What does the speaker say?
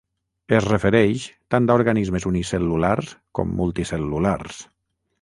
Es refereix tant a organismes unicel·lulars, com multicel·lulars.